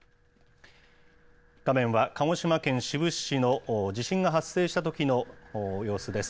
画面は鹿児島県志布志市の、地震が発生したときの様子です。